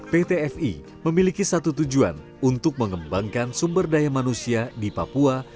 pt fi memiliki satu tujuan untuk mengembangkan sumber daya manusia di papua